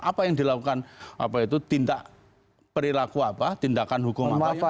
apa yang dilakukan tindak perilaku apa tindakan hukum apa